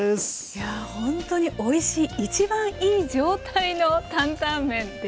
いやほんとにおいしい一番いい状態の担々麺出来上がりです。